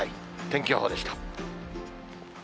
天気予報でした。